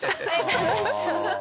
楽しそう。